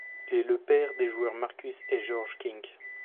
Il est le père des joueurs Marcus et George Kink.